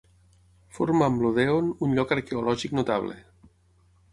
Forma amb l'Odèon un lloc arqueològic notable.